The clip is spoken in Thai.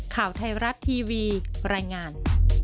ข่าวไทยรัฐทีวีรายงาน